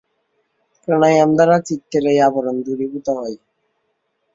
প্রাণায়াম দ্বারা চিত্তের এই আবরণ দূরীভূত হয়।